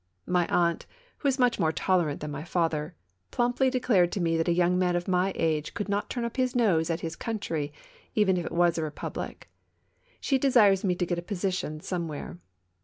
My aunt, who is much more tolerant than my father, plumply declared to me that a young man of my age could not turn up his nose at his country, even if it TWO CHAEMEKS. 23 was a republic. She desires to get me a position somewhere.